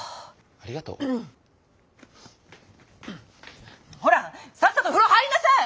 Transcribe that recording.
ありがとう？ほらさっさと風呂入りなさい！